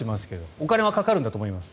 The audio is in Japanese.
お金はかかるんだと思います。